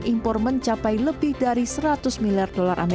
nilai ekspor dan impor mencapai lebih dari rp seratus miliar